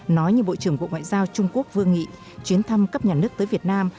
nói như bộ trưởng bộ ngoại giao trung quốc vương nghị chuyến thăm cấp nhà nước tới việt nam